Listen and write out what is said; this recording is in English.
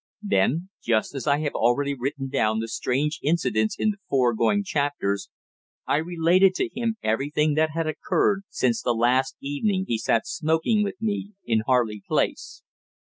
Then, just as I have already written down the strange incidents in the foregoing chapters, I related to him everything that had occurred since the last evening he sat smoking with me in Harley Place.